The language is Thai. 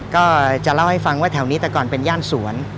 ก็จะเล่าให้ฟังว่าแถวนี้แต่ก่อนเป็นย่านสวน